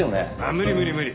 無理無理無理。